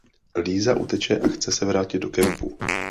Líza uteče a chce se vrátit do kempu.